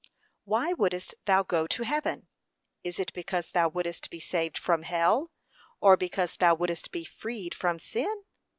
Why wouldst thou go to heaven? Is it because thou wouldst be saved from hell, or because thou wouldst be freed from sin?